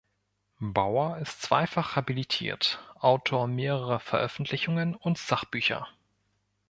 Bauer ist zweifach habilitiert, Autor mehrerer Veröffentlichungen und Sachbücher.